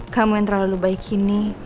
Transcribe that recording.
kamu yang terlalu baik ini